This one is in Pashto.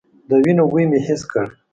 د وينو بوی مې حس کړ.